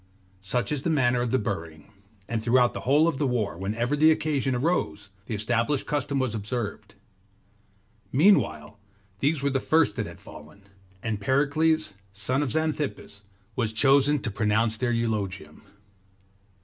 Such is the manner of the burying; and throughout the whole of the war, whenever the occasion arose, the established custom was observed. Meanwhile these were the first that had fallen, and Pericles, son of Xanthippus, was chosen to pronounce their eulogium.